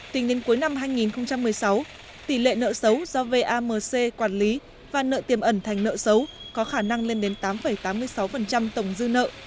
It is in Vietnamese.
tính đến cuối năm hai nghìn một mươi sáu tỷ lệ nợ xấu do vamc quản lý và nợ tiềm ẩn thành nợ xấu có khả năng lên đến tám tám mươi sáu tổng dư nợ